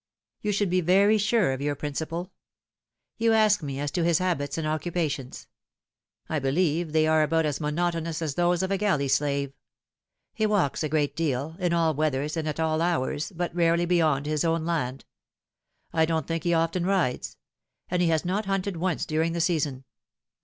You should be very sure of your principle. You ask me as to his habits and occupations. I believe they are about as monotonous as those of a galley slave. He walks a great deal in all weathers and at all hours but rarely beyond his own land. I don't think he often rides ; and he has not hunted once during the season.